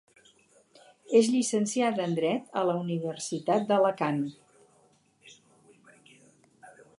És llicenciada en dret a la Universitat d'Alacant.